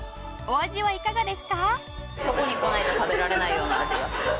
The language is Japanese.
お味はいかがですか？